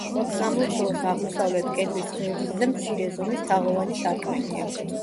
სამლოცველოს აღმოსავლეთ კედლის ღერძზე მცირე ზომის თაღოვანი სარკმელია.